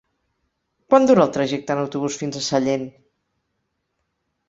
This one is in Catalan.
Quant dura el trajecte en autobús fins a Sallent?